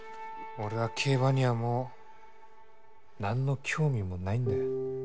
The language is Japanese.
俺は競馬にはもうなんの興味もないんだ。